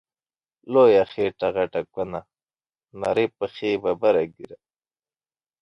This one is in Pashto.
لويه خيټه غټه کونه، نرۍ پښی ببره ږيره